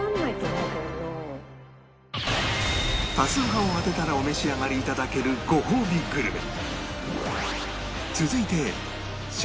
多数派を当てたらお召し上がり頂けるごほうびグルメ